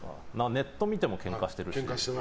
ネット見てもケンカしてるし。